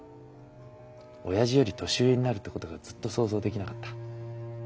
おやじより年上になるってことがずっと想像できなかった。